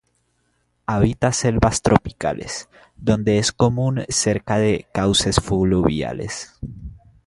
Habita selvas tropicales, donde es común cerca de cauces fluviales.